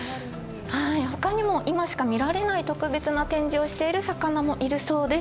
ほかにも今しか見られない特別な展示をしている魚もいるそうです。